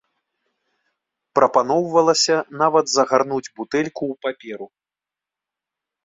Прапаноўвалася нават загарнуць бутэльку ў паперу.